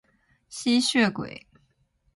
吸血鬼